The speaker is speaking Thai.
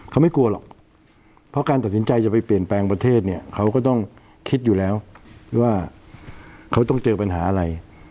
เขาไม่กลัวหรอกเพราะการตัดสินใจจะไปเปลี่ยนแปลงประเทศเนี่ยเขาก็ต้องคิดอยู่แล้วว่าเขาต้องเจอปัญหาอะไร